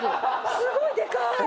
すごいでかい。